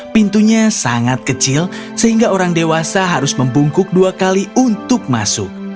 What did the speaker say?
pintunya sangat kecil sehingga orang dewasa harus membungkuk dua kali untuk masuk